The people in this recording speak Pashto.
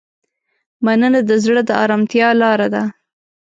مننه د زړه د ارامتیا لاره ده.